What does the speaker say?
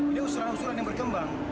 ini usulan usulan yang berkembang